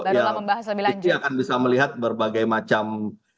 kita akan bisa melihat berbagai macam